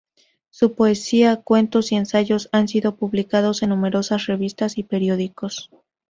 Su poesía, cuentos y ensayos han sido publicados en numerosas revistas y periódicos.